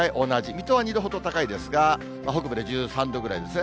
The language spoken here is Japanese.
水戸は２度ほど高いですが、北部で１３度ぐらいですね。